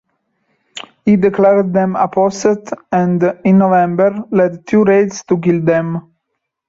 He declared them apostate and, in November, led two raids to kill them.